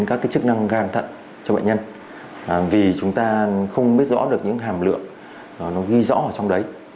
các chức năng găng thận cho bệnh nhân vì chúng ta không biết rõ được những hàm lượng ghi rõ ở trong đấy